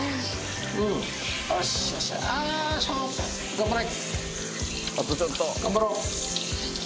頑張れ。